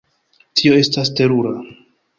Tio estas terura!